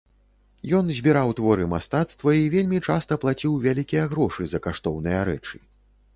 Ён збіраў творы мастацтва і вельмі часта плаціў вялікія грошы за каштоўныя рэчы.